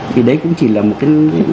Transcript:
thì đấy cũng chỉ là một cái